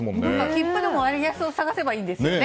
切符でも割安を探せばいいんですよね。